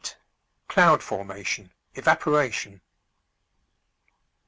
CLOUD FORMATION EVAPORATION.